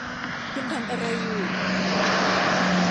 คุณทำอะไรอยู่